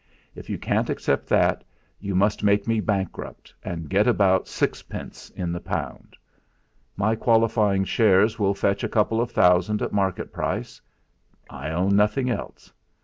If you can't accept that, you must make me bankrupt and get about sixpence in the pound. My qualifying shares will fetch a couple of thousand at market price. I own nothing else.